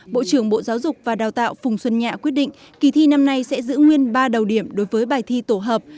bộ trưởng bộ giáo dục và đào tạo phùng xuân nhạ quyết định kỳ thi năm nay sẽ giữ nguyên ba đầu điểm đối với bài thi tổ hợp